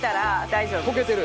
溶けてる！